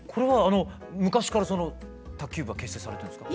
昔から卓球部は結成されてるんですか？